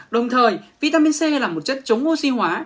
đồng thời vitamin c là một chất chống oxy hóa